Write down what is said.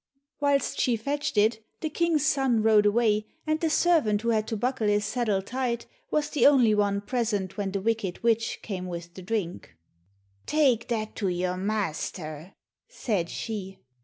Whilst she fetched it, the King's son rode away, and the servant who had to buckle his saddle tight, was the only one present when the wicked witch came with the drink. "Take that to your master," said she.